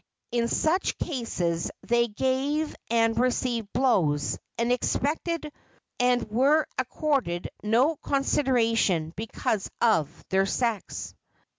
In such cases they gave and received blows, and expected and were accorded no consideration because of their sex.